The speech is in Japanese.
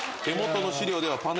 手元の資料では。